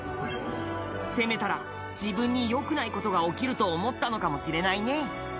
攻めたら自分に良くない事が起きると思ったのかもしれないね